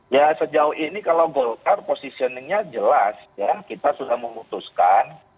ya sejauh ini kalau golkar positioningnya jelas ya kita sudah memutuskan